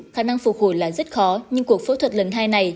khả năng phục hồi là rất khó nhưng cuộc phẫu thuật lần hai này